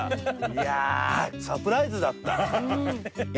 いやサプライズだった。